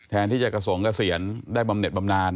แทนที่จะกระสงเกษียณได้บำเน็ตบำนาน